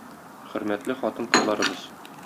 Хөрмәтле хатын-кызларыбыз!